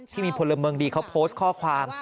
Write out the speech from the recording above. ที่มีพลเมืองดีเขาโพสต์ข้อความ